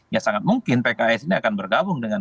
ya sangat mungkin pks ini akan bergabung dengan